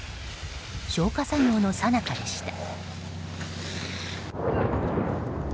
消火作業のさなかでした。